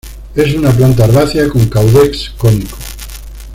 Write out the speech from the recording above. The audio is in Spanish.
Es una planta herbácea con caudex cónico.